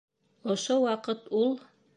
Ошо ваҡыт ул: